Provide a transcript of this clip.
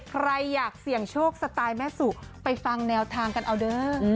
ใครอยากเสี่ยงโชคสไตล์แม่สุไปฟังแนวทางกันเอาเด้อ